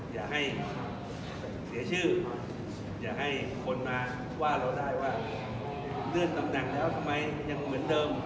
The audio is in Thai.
อย่าให้เสียชื่ออย่าให้คนมาว่าเราได้ว่าเลื่อนตำแหน่งแล้วทำไมยังเหมือนเดิม